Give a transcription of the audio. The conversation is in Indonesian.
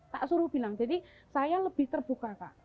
tak suruh bilang jadi saya lebih terbuka kak